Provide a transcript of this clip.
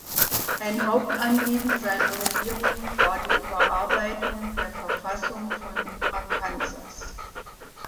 Ein Hauptanliegen seiner Regierung war die Überarbeitung der Verfassung von Arkansas.